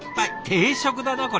定食だなこれ。